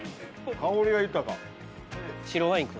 香りが豊か。